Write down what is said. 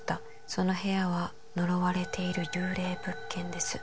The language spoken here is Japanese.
「その部屋は呪われている幽霊物件です」